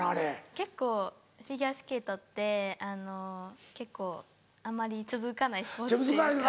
結構フィギュアスケートって結構あまり続かないスポーツっていうか。